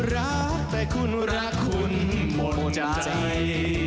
รักแต่คุณรักคุณหมดใจ